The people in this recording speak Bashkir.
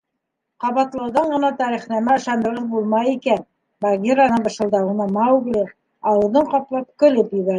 — Ҡабатлауҙан ғына тарихнамә ышандырғыс булмай икән, — Багираның бышылдауына Маугли, ауыҙын ҡаплап, көлөп ебәрҙе.